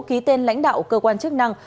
ký tên lãnh đạo cơ quan chức năng